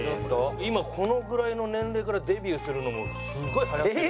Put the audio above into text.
今このぐらいの年齢からデビューするのもすごい流行ってる。